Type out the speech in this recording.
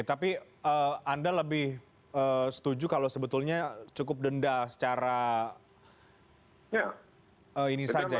tapi anda lebih setuju kalau sebetulnya cukup denda secara ini saja